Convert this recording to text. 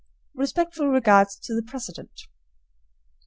Respectful regards to the president.